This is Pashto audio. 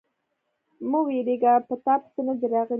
_مه وېرېږه، په تاپسې نه دي راغلی.